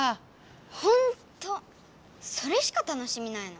ほんっとそれしか楽しみないの？